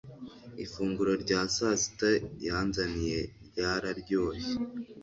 Ifunguro rya sasita yanzaniye ryararyoshye